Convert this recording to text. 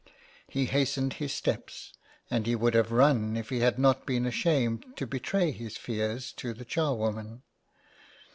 He hastened his steps, and he would have run if he had not been ashamed to betray his fears to the charwoman.